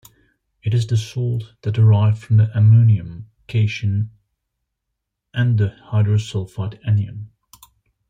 It is the salt derived from the ammonium cation and the hydrosulfide anion.